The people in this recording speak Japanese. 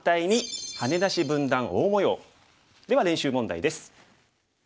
では練習問題です。